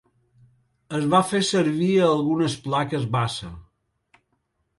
Es va fer servir a algunes plaques base.